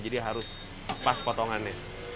jadi harus pas potongannya